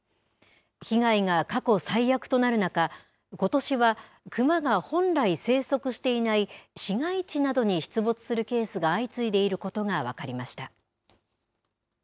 被害が過去最悪となる中、ことしはクマが本来生息していない市街地などに出没するケースが相次いでいることが分かりました。